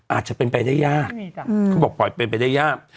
อาจจะเป็นไปได้ยากเขาบอกปล่อยเป็นไปได้ยาก